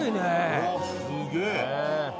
うわすげぇ。